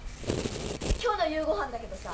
今日の夕ご飯だけどさ